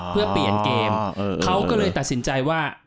เพื่อเปลี่ยนเกมเขาก็เลยตัดสินใจว่า